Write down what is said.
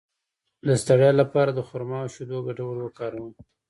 د ستړیا لپاره د خرما او شیدو ګډول وکاروئ